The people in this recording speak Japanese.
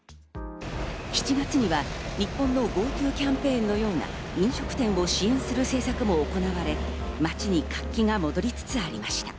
７月には日本のＧｏＴｏキャンペーンのような飲食店を支援するキャンペーンもあふれ、街には活気が戻りつつありました。